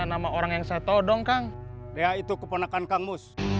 sampai jumpa di video selanjutnya